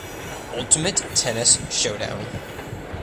Ultimate Tennis Showdown